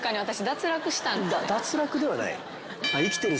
脱落ではない。